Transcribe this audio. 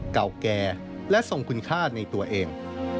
เก่าแก่และทรงคุณค่าในตัวเอง